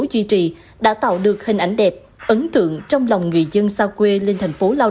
duy trì đã tạo được hình ảnh đẹp ấn tượng trong lòng người dân xa quê lên thành phố lao động học tập